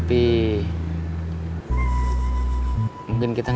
kamu ngiti kekuasaan